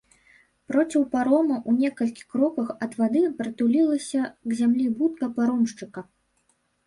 Проціў парома, у некалькі кроках ад вады прытулілася к зямлі будка паромшчыка.